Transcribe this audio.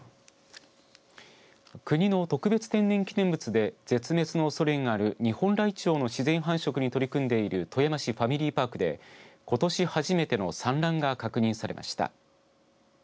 国の特別天然記念物で絶滅のおそれがあるニホンライチョウの自然繁殖に取り込んでいる富山市ファミリーパークでことし初めての産卵が確認されました。